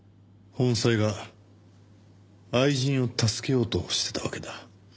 本妻が愛人を助けようとしてたわけだ。